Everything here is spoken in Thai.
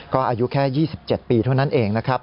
ก็อายุแค่๒๗ปีเท่านั้นเองนะครับ